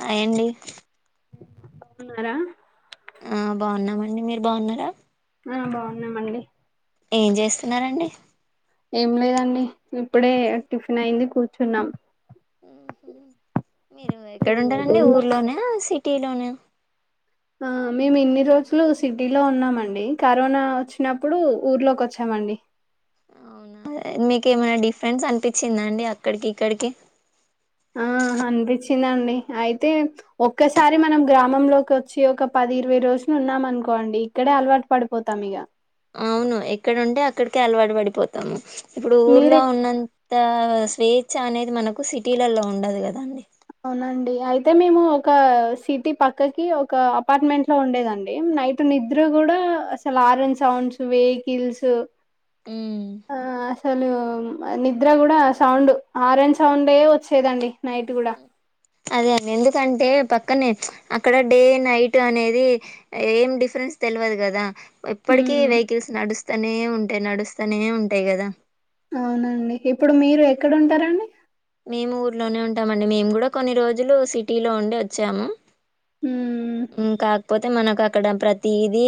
Hi అండి ఉన్నారా ఆ బాగున్నామండి మీరు బాగున్నారా ఆ బాగున్నామండి ఏం చేస్తున్నారండి ఏం లేదండి ఇప్పుడే టిఫిన్ అయింది కూర్చునం హ్మ్ హు మీరు ఎక్కడ ఉంటారు అండి ఊర్లోనా సి సిటీ లో నా ఆ మేము ఇన్ని రోజులు సిటీలో ఉన్నామండి కరోనా వచ్చినప్పుడు ఊర్లోకి వచ్చామండి అవునా మీక ఏమైనా డిఫరెన్స్ అనిపించిందాండి అక్కడికి ఇక్కడికి ఆ అనిపించిందండి అయితే ఒక్కసారి మనం గ్రామంలోకి వచ్చి ఒక పది ఇరవై రోజులు ఉన్నామ అనుకోండి ఇక్కడే అలవాటు పడిపోతాం ఇగ అవును ఎక్కడుంటే అక్కడికే అలవాటు పడిపోతాము ఇప్పుడు మీరే ఊర్లో ఉన్న స్వేచ్ఛ అనేది మనకు సిటీలలో ఉండదు కదండి అవునండి అయితే మేము ఒక సిటీ పక్కకి ఒక అపార్ట్మెంట్ లో ఉండేదండి నైట్ నిద్ర కూడా అసలు ఆరం సౌండ్స్ వెహికిల్స్ ఉమ్. ఆ అసలు నిద్ర కూడా సౌండ్ ఆరెంజ్ సౌండ్ వచ్చేదండి నైట్ కూడా అదే అండి ఎందుకంటే పక్కనే అక్కడ డే నైట్ అనేది ఏం డిఫరెన్స్ తెలవదు కదా ఎప్పటికీ ఉమ్ వెహికల్స్ నడుస్తాయి స్తనే ఉంటాయి నడుస్తానే ఉంటాయి కదా అవునండి ఇప్పుడు మీరు ఎక్కడ ఉంటారండి మేము ఊర్లోనే ఉంటామండి మేము కూడా కొన్ని రోజులు సిటీలో ఉండి వచ్చాము ఉమ్ కాకపోతే మనకు అక్కడ ప్రతీదీ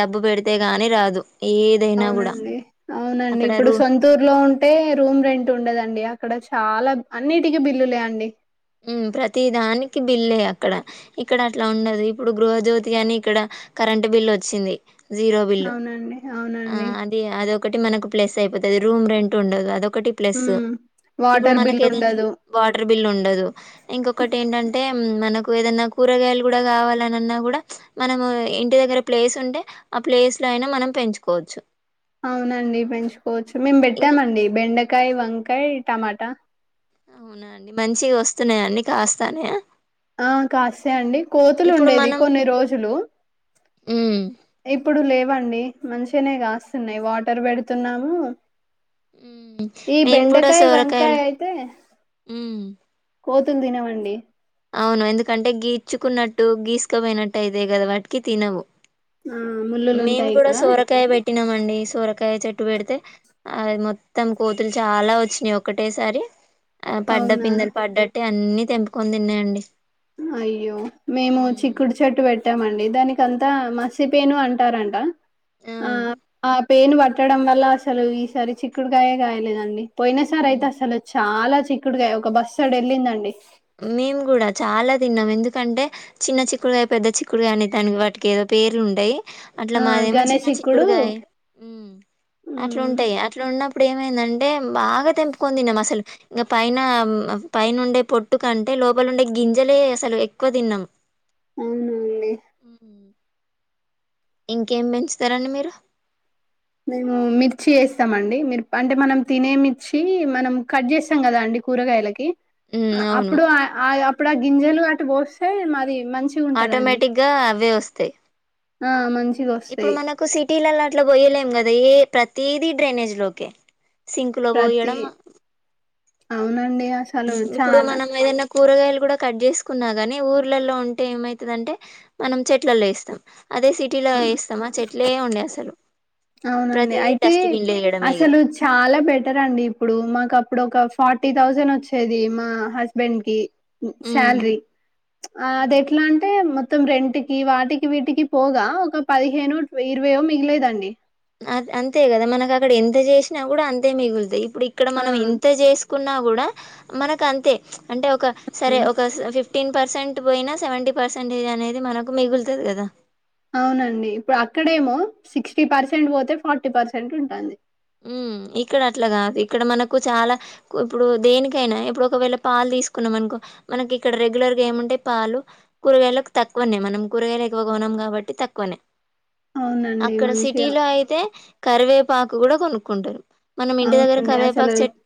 డబ్బు పెడితే గాని రాదు ఏదైనా కూడా అవునండి అవునండి అక్కడ ఇప్పుడు రూ సొంతూర్ లో ఉంటే రూమ్ రెంట్ ఉండదండి అక్కడ చాలా అన్నిటికీ బిల్లులే అండి ప్రతి దానికి బిల్లే అక్కడ ఇక్కడ అట్లా ఉండదు ఇప్పుడు గృహజ్యోతి అని ఇక్కడ కరెంట్ బిల్ వచ్చింది జీరో బిల్లు అవునండి ఆ అవునండి అది అదా ఒకటి మనకు ప్లెస్ అయిపోతది రూమ్ రెంట్ ఉండదు అద ఒకటి ప్లస్ ఉమ్ ఇప్పుడు వాటర్ బిల్ మనకి ఏదిన ఉండదు వాటర్ బిల్ ఉండదు ఇంకొకటి ఏంటంటే మనకు ఏదన్నా కూరగాయలు కూడా కావాలనన్నా కూడా మనము ఇంటి దగ్గర ప్లేస్ ఉంటే ఆ ప్లేస్ లో అయినా మనం పెంచుకోవచ్చు అవునండి పెంచు పోవచ్చు మేము ఇంకా పెట్టామండి బెండకాయ వంకాయ టమాటా అవునా అండి మంచిగా వస్తున్నాయండి కాస్తాన్నాయ ఆ కాస్తాయి అండి కోతులు ఉండేది మనం కొన్ని రోజులు ఉమ్ ఇప్పుడు లేవండి అండి మంచిగనే కాస్తున్నాయి వాటర్ పెడుతున్నాము ఉమ్ ఈ మేము కూడా బెండకాయ వంకాయ సోరకాయలు అయితే ఉమ్ కోతులు తినవండి అవును ఎందుకంటే గిచ్చుకున్నట్టు గీసుకపోయినట్టు అయితాయి కదా వాటికి తినవు ఆ ముళ్ళులు మేము ఉంటాయి కూడా కదా సోరకాయ పెట్టినామండి సోరకాయ చెట్టు పెడితే ఆ మొత్తం కోతులు చాలా వచ్చినాయి ఒకటేసారి ఆ పడ్డ అవునా పిందలు పడ్డటే అన్నీ తెంపుకొని తిన్నాయండి అయ్యో మేము ఉమ్, చిక్కుడు చెట్టు పెట్ట పెట్టామండి దానిక అంతా మసిపేను అంటారంట ఆ ఆ పెను పట్టడం వల్ల అసలు ఈసారి చిక్కుడుకాయే కాయలేదండి పోయినా సారీ ఉమ్. అయితే అసలు వచ్చు చాలా చిక్కుడుకాయ ఒక బస్తాడు వెళ్ళిందండి మేం కూడా చాలా తిన్నాము ఎందుకంటే చిన్న చిక్కుడుగాయి పెద్ద చిక్కుడుగాయి అనే దానికి వాటికి ఏదో పేర్లు ఉంటాయి అట్లా ఆ మాదేమో గనే చిన్న చిక్కుడు చిక్కుడుగాయ అట్లా మ్ ఉంటాయి అట్లా ఉన్నప్ ఇప్పుడు ఏమైందంటే బాగా తెంపుకొని తిన్నాం అసలు ఇంకా పైన పైన ఉండే పొట్ ట్టు కంటే లోపలుండే గింజలే అసలు ఎక్కువ తిన్నాం అవునండి మ్మ్ ఇంకేం పెంచుతారండి మీరు మేము మిర్చి వేస్తామండి. మీరు పంట మనం తినే మిర్చి మనం కట్ చేస్తాం కదా అండి కూరగాయలకి ఉమ్ అవును అప్పుడు ఆ ఆయా అక్కడ గింజలు అటు బోస్తే మరి ఆటోమేటిగ్గా అవే వస్తాయి ఆ మంచిగా ఇప్పుడు వస్తాయి మనకు సిటీలల్లో అట్ల పోయలేం కదా యే ప్రతీది డ్రైనేజీ లోకే సింకులో ప్రతి పోయడం అవునండి అసలు ఇప్పుడు చాలా మనం ఏనక్ కూరగాయలు కూడా కట్ చేసుకున్నా గాని ఊర్లలో ఉంటే ఏమైతాదంటే మనం చెట్లల్లో ఏస్తాం అదే సిటీలో వేస్తామా చెట్లే ఉండే అసలు అవునండి ప్రతిదీ అయితే డస్ట్బిన్ లో వేయడమే ఇగ అసలు చాలా బెటర్ అండి ఇప్పుడు మాకు అప్పుడు ఒక ఫార్టీ థౌజండ్ వచ్చేది మా హస్బెండ్ కి ఉమ్ శాలరీ ఆ అది ఉమ్. ఎట్లా అంటే మ మొత్తం రెంట్ కి వాటికి వీటికి పోగా ఒక పదిహేనో, ఇరవయ్యో మిగిలేదండి అంతే కదా మనకు అక్కడ ఎంత చేసినా కూడా అంతే మిగులుతాయి ఇప్పుడు ఇక్కడ ఆ మనం ఇంత చేసి కున్నా కూడా మనకు అంతే అంటే ఒక సరే ఉమ్, ఒక ఫిఫ్ ఫిఫ్టీన్ పర్సెంట్ పోయినా సెవెంటీ పర్సెంటేజ్ అనేది మనకు మిగులుతుంది కదా అవునండి ఇప్పుడు అక్కడేమో సిక్స్టీ పర్సెంట్ పోతే ఫార్టీ పర్సెంట్ ఉంటాది మ్మ్ ఇక్కడ అట్ల కాదు ఇక్కడ మనకు చాలా ఇప్పుడు దేనికైనా ఇప్పుడు ఒకవేళ పాలు తీసుకున్నాం అనుకో మనకి ఇక్కడ రెగ్యులర్ గా ఏముంటాయ్ పాలు, కూరగాయలకు తక్కువనే మనం కూరగాయలు ఎక్కువగా కొనం కాబట్టి తక్కువనే అవునండి అక్కడ మంచిగా సిటీలో అయితే కరివే కూడా కొనుక్కుంటారు దగ్గర అవునండి అసలు కరివేపాకు చెట్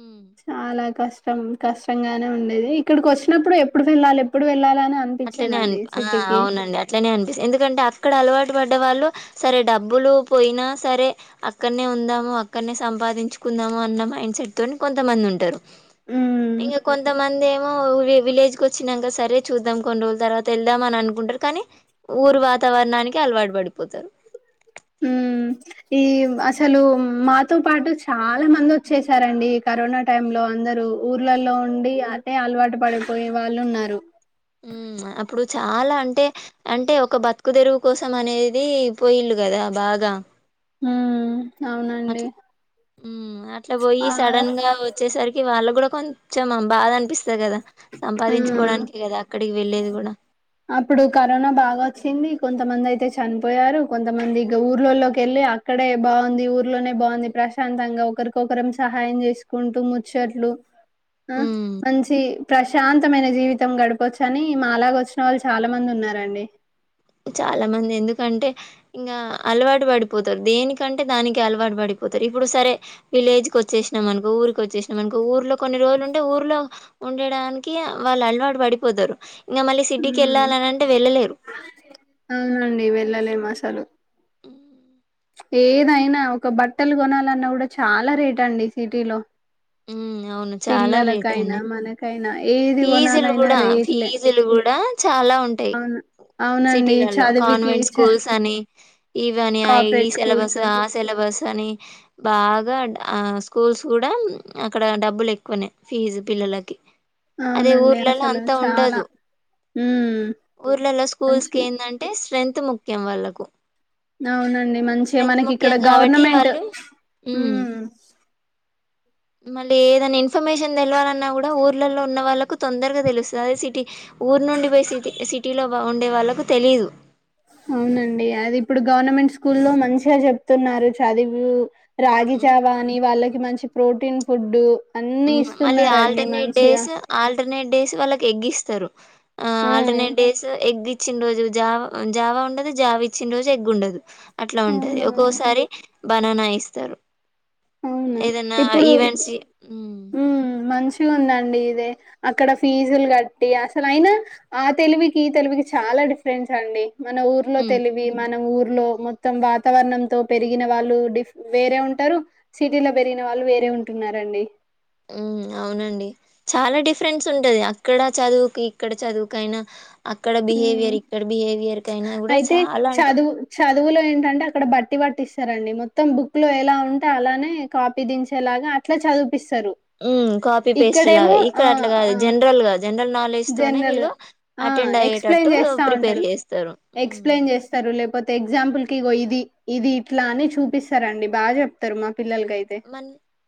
ఉమ్ చాలా కష్టం కష్టంగానే ఉండేది. ఇక్కడికి వచ్చినప్పుడు ఎప్పుడు వెళ్ళాలి, ఎప్పుడు వెళ్ళాలని అట్లనే అనిపి ఆ అవునండి అట్లనే అనిపిస్తుంది ఎందుకంటే అక్కడ అలవా టు పడ్డ వాళ్ళు సరే డబ్బులు పోయినా సరే అక్కడనే ఉందాము. అక్కడనే సంపాదించుకుందాము. అన్న మైండ్ సెట్ తోని కొంతమంది ఉంటారు హ్మ్. ఇంగ కొంతమంది ఏ విలేజ్ కు వచ్చినాక సరే చూద్దాం కొన్ని రోజుల తర్వాత వెళ్దాం అని అనుకుంటారు కానీ ఊరు వాతావరణానికి అలవాటు పడు ఉమ్ ఈ అసలు మాతో పాటు చాలా మంది వచ్చేసారండి ఈ కరోనా టైమ్ లో అందరూ ఊర్లలో ఉండి అదే అలవాటు పడిపోయే వాళ్ళు ఉన్నారు ఉమ్ అప్పుడు చాలా అంటే అంటే ఒక బతుకు తెరువు కోసం అనేది పోయిల్ళు కదా బాగా ఉమ్ అట్ ఉమ్ అట్లా పోయి ఆ! సడన్ గా వచ్చేసరికి వాళ్ళ కూడా కొంచెం భాద అనిపిస్తంది కదా హ్మ్. సంపాదించుకోవడానికి కదా అక్కడికి వెళ్ళేది కూడా అప్పుడు కరోనా బాగా వచ్చింది కొంతమంది అయితే చనిపోయారు కొంతమంది ఇ ఊర్లలోకి వెళ్ళి అక్కడే బాగుంది ఊర్లోనే బాగుంది ప్రశాంతంగా ఒకరికొకరం సహాయం చేసుకుంటూ ముచ్చట్లు ఆ ఉమ్ మంచి ప్రశాంతమైన జీవితం గడపవచ్చు అని మాలాగ వచ్చిన వాళ్ళు చాలా మంది ఉన్నారండి చాలా మంది ఎందుకంటే ఇంకా అలవాటు పడిపోతారు దేనికంటే దానికి అలవాటు పడిపోతారు ఇప్పుడు సరే విలేజ్ క వచ్చేసినాం అనుకో ఊరికి వచ్చేసినాం అనుకో ఊర్లో కొన్ని రోజులు ఉంటే ఊర్లో ఉండడానికి వాళ్ళు అలవాటు పడిపోతారు ఇంకా మళ్ళీ సిటీకి ఉమ్, వెళ్ళాలని అంటే వెళ్ళలేరు అవునండి వెళ్ళలేము అసలు ఉ ఏదైనా ఒక బట్టలు కొనాలన్నా కూడా చాలా రేట్ అండి సిటీలో ఉమ్ అవును చాలా రేట్ పిల్లలకైనా అండి మనకైనా ఏది ఫీజులు కొనాలైనా కూడా రేట్లే ఫీజులు కూడా చాలా ఉంటాయి అవును అవునండి సిటీలలో చదువుకి కాన్వెంట్ స్కూల్స్ అని ఈవని ఈ కార్పొరేట్ సిలబస్ స్కూల్స్ ఆ సిలబస్ కాని బాగా ఆ స్కూల్స్ కూడా అక్కడ డబ్బులు ఎక్కువనాయి ఫీజు పిల్లలకి అదే అవునండి ఊర్లలో అసలు అంతా చాలా ఉండదు హ్మ్ ఊర్లలో స్కూల్స్ కి మంచి ఏందంటే స్ట్రెంత్ ముఖ్యం వాళ్ళకు అవునండి మంచిగా స్ట్రెంత్ మనకి ఇక్కడ ముఖ్యం కాబట్టి గవర్నమెంట్ వాళ్ళు ఉమ్ మళ్ళీ ఏదైనా ఇన్ఫర్మేషన్ తెలవాలన్నా కూడా ఊర్లలో ఉన్న వాళ్ళకు తొందరగా తెలుస్తుంది అదే సిటీ ఊర్ నుండి పోయి సిటీ సిటీలో ఉండే వాళ్ళకు తెలీదు అవునండి అది ఇప్పుడు గవర్నమెంట్ స్కూల్లో మంచిగా చెప్తున్నారు చదువు రాగి ఉమ్ చావా అని వాళ్ళకి మంచి ప్రోటీన్ ఫుడ్ అన్ని మళ్ళీ ఇస్తున్నారండి ఆల్టర్నేట్ మంచిగా డేస్ ఆల్టర్ ట్ డేస్ వాళ్ళకి ఎగ్గిస్తారు ఆ ఆల్టర్నేట్ డేస్ ఎగ్ ఇచ్చిన రోజు జావ జావా ఉండదు జావ ఇచ్చిన రోజు ఎగ్గుండదు అట్లా ఉంటది అవునండి ఒక్కోసారి బనానా ఇస్తారు అవును ఏదన్నా ఈవెంట్స్ హుమ్ మంచి గా ఉందండి ఇదే అక్కడ ఫీజులు కట్టి అసలు అయినా ఆ తెలువికి ఈ తెలువికి చాలా డిఫరెన్స్ అండి మన ఊర్లో హ్మ్. తెలివి మనం ఊరు లో మొత్తం వాతావరణం తో పెరిగిన వాళ్ళు డిఫ వేరే ఉంటారు సిటీలో పెరిగిన వాళ్ళు వేరే ఉంటున్నారండి ఊ అవునండి చాలా డిఫరెన్స్ ఉంటది అక్కడ చదువుకు ఇక్కడ చదువుక అయినా అక్కడ ఉమ్ బిహేవియర్ ఇక్కడ బిహేవియర్ కైనా కూడా అయితే చాల అంటే చదువు చదువులో ఏంటంటే అక్కడ బట్టి పట్టి ఇస్తారండి మొత్తం బుక్ లో ఎలా ఉంటే అలానే కాపీ దించేలాగా అట్లా చదువు కాఫీ పేస్ట్ లాగా ఇక్కడ ఆ అట్లాగా ఆ జనరల్ గా జనరల్ నాలె లేస్ తోనే జనరల్గా వీళ్ళు ఆ అటెండ్ ఎక్స్ప్లెయిన్ అయ్యేటట్టు చేస్తా ప్రిపేర్ ఉంటారు చేస్తారు ఎక్స్ప్లెయిన్ చేస్తారు లేకపోతే ఎగ్జాంపుల్ కి ఇది ఇది ఇట్లా అని చూపిస్తా రండి బాగా చెప్తారు మాకు మ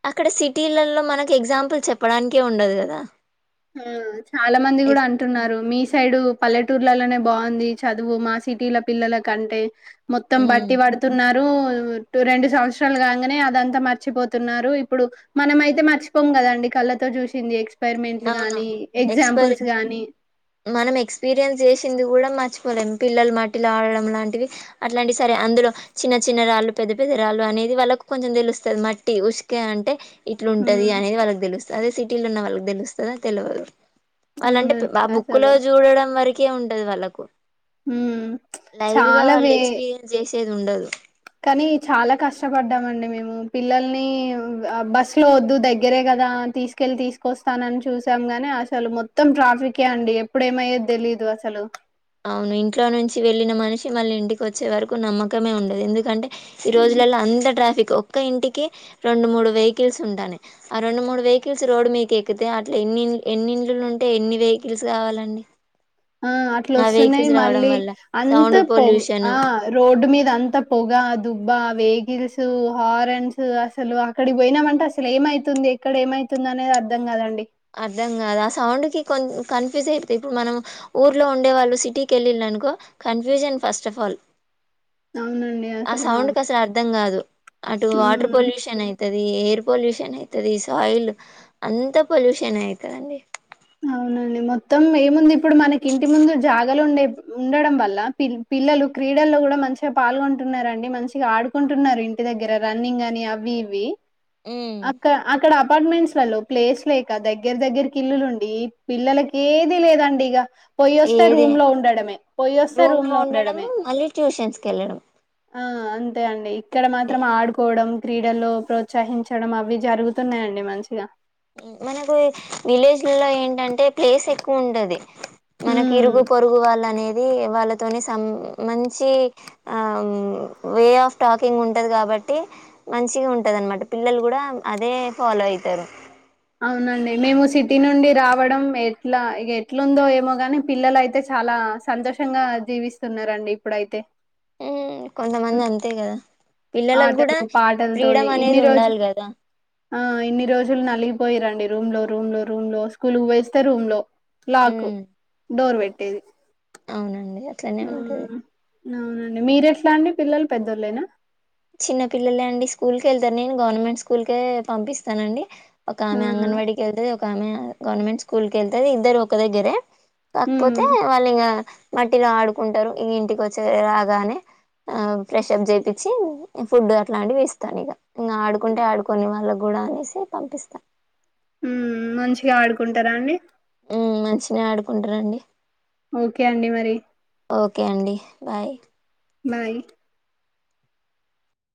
అక్కడ సిటీలలో మనకి ఎగ్జాంపుల్ చెప్పడానికే ఉండదు కదా ఆ చాలా మంది కూడా ఎక్- అంటున్నారు మీ స్ సైడు పల్లెటూర్లలోనే బాగుంది చదువు మా సిటీల పిల్లల కంటే మొత్తం ఉమ్, బట్టి పడుతున్నారు రూ రెండు సంవత్సరాలు గానే అదంతా మర్చిపోతున్నారు ఇప్పుడు మనం అయితే మర్చిపోం కదండి కళ్ళతో చూసి ఎక్స్పెరిమెంట్ అవును ఎక్స్పరి మనం ఎక్స్పీరియన్స్ చేసింది కూడా మర్చిపోలేము పిల్లలు మట్టిలు ఆడడం లాంటివి అట్లాంటివి సరే అందులో చిన్న చిన్న రాళ్ళు పెద్ద పెద్ద రాళ్ళు అనేది వాళ్ళకు కొంచెం తెలుస్తుంది మట్టి ఉసుకే అంటే ఇట్లు ఉంటది అనేది వాళ్ళకి తెలుస్తది అదే సిటి టీలో ఉన్నవాళ్ళు కి తెలుస్తదా తెలువదో వాళ్ళ అంటే ఆ అవునండి బుక్కు లో అసలు చూడడం వరకి కే ఉంటది వాళ్ళలకు ఉమ్, లైవ్ గా చాలా వాళ్ళు వే ఎక్స్పీరియన్స్ చేసి చేదుండదు కానీ చాలా కష్టపడ్డామండి మేము పిల్లల్ని బస్సు లో వద్దు దగ్గరే కదా తీసుకెళ్ళి తీసుకొస్తానని చూసాం గాని అసలు మొత్తం ట్రాఫిికే అండి ఎప్పుడు ఏమయిద్దో తెలీదు అసలు అవును ఇంట్లో నుంచి వెళ్ళిన మనిషి మళ్ళీ ఇంటికి వచ్చే వరకు నమ్మకమే ఉండదు ఎందుకంటే ఈ రోజులలో అంత ట్రాఫిక్ ఒక్క ఇంటికి రెండు మూడు వెహికిల్స్ ఉంటానేయి ఆ రెండు మూడు వెహికల్స్ రోడ్డు మీక ఎక్కితేా అట్లా ఎన్ని ఎన్నింళలు ఉంటే ఎన్ని వెహికిల్స్ కావాలండి ఆ అట్లా ఆ వస్తున్నాయి వెహికల్స్ రావడం మళ్ళీ వల్ల అంత సౌండ్ పొగు పొల్యూషన్ ఆ రోడ్డు మీద ఇ అంతా పొగ దుబ్బ వెహికల్స్ హారన్స్ అసలు అక్కడికి పోయినామంటే అసలు ఏమైతుంది ఎక్కడ ఏమైతుంది అనేది అర్ధం కదండి అర్థం కాదు ఆ సౌండ్కి కొ కన్ఫ్యూజ్ అయిపోతుంది ఇప్పుడు మనం ఊర్లో ఉండే వాళ్ళు సిటీకి వెళ్ళళనుకో కన్ఫ్యూజన్ ఫస్ట్ ఆ ఫాల్ అవునండి. ఆ అసలు సౌండ్ వామ్ క అసలు అర్ధం కాదు అటు వాటర్ హ్మ్. పొల్యూషన్ అయితది ది ఎయిర్ పొల్యూషన్ అయితుది సాయిల్ అంత పొల్యూషన్ అయితదండి అవునండి మొత్తం ఏముంది ఇప్పుడు మనకి ఇంటి ముందు జాగాలు ఉండే ఉండడం వల్ల పిల్ పిల్లలు క్రీడల్లో కూడా మంచిగా పాల్గొంటున్నరండి మంచిగా ఆడుకుంటున్నారు ఇంటి దగ్గర రన్నింగ్ అని అవి ఇవి హ్మ్. అక్క అక్కడ అపార్ట్మెంట్స్ ఆలో ప్లేస్ లేక దగ్గరగ్గరకి ఇల్లులు ఉ ఈ పిల్లలకి ఏది లేదండి ఇగ పొయ్యిస్తే ఏది రూమ్ లో ఉండడమే పొయ్యిస్తే రూమ్ లో ఉండడం ఉండడమే మళ్ళీ ట్యూషన్స్ కి వెళ్ళడం ఆ అంతే అండి ఇక్కడ ఇదే మాత్రం ఆడుకోవడం క్రీడల్లో ప్రోత్సహించడం అవి జరుగుతున్నాయండి మంచిగా మనకు విలేజ్లో ఏంటంటే ప్లేస్ ఎక్కువ ఉంటది మనకి హ్మ్. ఇరుగు పొరుగు వాళ్ళ అనేద్ అది వాళ్ళతోనే సం మంచి ఆ వే ఆఫ్ టాకింగ్ ఉంటది కాబట్టి మంచిగా ఉంటది అనమాట పిల్లలు కూడా అదే ఫాలో అయితారు అవునండి మేము సిటీ నుండి రావడం ఎట్లా ఇక ఎట్లుందో ఏమో గాని పిల్లలు అయితే చాలా సంతోషంగా జీవిస్తున్నరండి ఇప్పుడైతే కొంతమంది హ్మ్. అంతే కదా పిల్లలకు కూడా ఆటలు పాటలతోని ఫ్రీడమ్ అనేది ఇన్ని రోజు ఉండాలి కదా ఆ ఇన్ని రోజులు నలిగిపోయి రండి రూమ్ లో రూమ్ లో రూమ్ లో స్కూల్ పోయిస్తే రూమ్ లో లాక్ ఉమ్ దూర్పేట్ ఏవీ అవునండి అట్లనే ఉంటది అవునండి మీరెట్లా అండి పిల్లలు పెద్దోళ్ళైనా చిన్న పిల్లలే అండి స్కూల్కెళ్తారు నేను గవర్నమెంట్ స్కూల్కే పంపిస్తానండి ఒక ఆమె అవునా అంగన్వాడికి వెళ్తది ఒక్ గవర్నమెంట్ స్కూల్కి ఏళ్తాడు ఇద్దరు ఒక దగ్గర ఉమ్ కాకపోతే వాళ్ళ ఇగ మట్టిలో ఆడుకుంటారు ఇ ఇంటికి వచ్చే రాగానే ఆ ఫ్రెషప్ చేపిచ్చి ఫుడ్ అట్లాంటివి ఇస్తాను ఇగ ఇంకా ఆడుకుంటే ఆడుకొని వాళ్ళకి కూడా అనేసి పంపిస్తాను ఉమ్ మంచిగా ఆడుకుంటారా అండి ఉ మంచినే ఆడుకుంటారండి ఓకే అండి మరి ఓకే అండి బాయ్ బాయ్